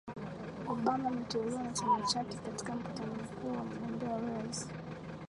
Obama aliteuliwa na chama chake katika mkutano mkuu kuwa mgombea wa uraisi